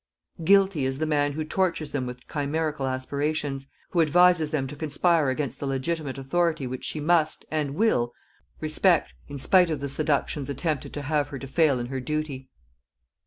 Guilty is the man who tortures them with chimerical aspirations, who advises them to conspire against the legitimate authority which she must, and will, respect in spite of the seductions attempted to have her to fail in her duty.